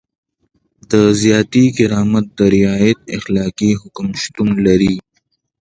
د ذاتي کرامت د رعایت اخلاقي حکم شتون لري.